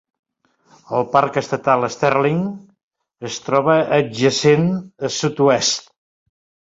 El Parc Estatal Sterling es troba adjacent a sud-oest.